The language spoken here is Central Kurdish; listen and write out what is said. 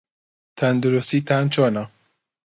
تەندروستیتان چۆنە؟